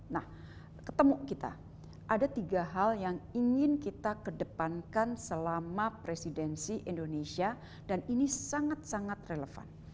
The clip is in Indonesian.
nah ketemu kita ada tiga hal yang ingin kita kedepankan selama presidensi indonesia dan ini sangat sangat relevan